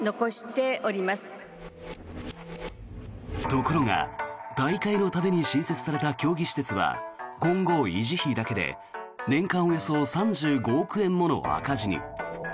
ところが、大会のために新設された競技施設は今後、維持費だけで年間およそ３５億円もの赤字に。